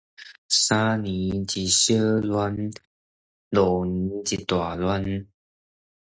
三年一小亂，五年一大亂